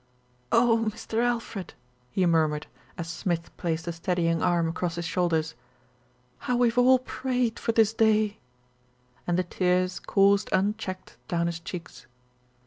"Oh, Mr. Alfred!" he murmured, as Smith placed a steadying arm across his shoulders. "How we've all prayed for this day," and the tears coursed un checked down his cheeks.